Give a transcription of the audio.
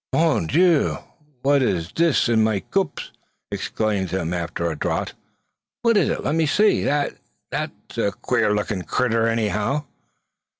"Mon Dieu! what is dis in my cops?" exclaimed he, after a draught. "Fwhat is it? Let me see. That! Be me sowl! that's a quare looking crayter anyhow."